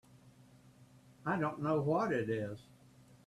I don't know what it is.